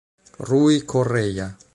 Rui Correia